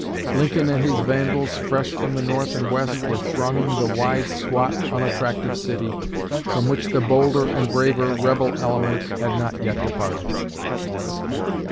'Lincoln and his vandals,' fresh from the North and West, were thronging the wide, squat, unattractive city, from which the bolder and braver rebel element had not yet departed."